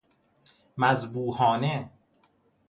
مذبوحانه